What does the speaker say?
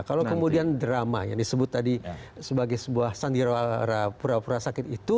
kalau kemudian drama yang disebut tadi sebagai sebuah sandira pura sakit itu